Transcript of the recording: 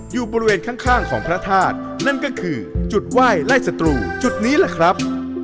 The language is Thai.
อยู่บริเวณข้างของพระธาตุนั่นก็คือจุดไหว้ไล่สตรูจุดนี้แหละครับ